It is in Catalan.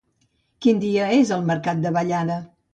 Quin dia és el mercat de Vallada?